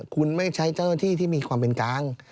คุณไม่ใช้เจ้าหน้าที่ที่มีความเป็นกลาง